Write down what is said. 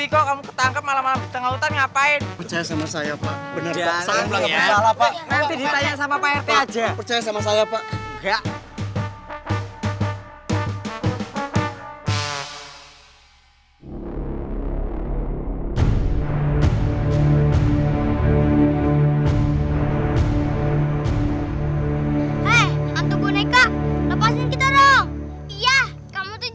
kak buka topengnya kak